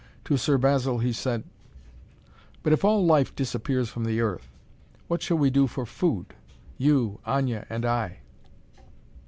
To Sir Basil he said: "But if all life disappears from the earth, what shall we do for food you, Aña, and I?"